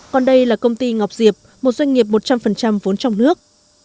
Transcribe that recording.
còn đây là công ty ngọc diệp một doanh nghiệp một trăm linh vốn trong nước